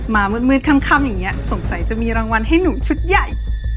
มามืดค่ำอย่างนี้สงสัยจะมีรางวัลให้หนูชุดใหญ่